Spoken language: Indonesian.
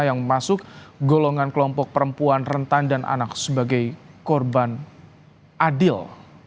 yang masuk golongan kelompok perempuan rentan dan anak sebagai korban adil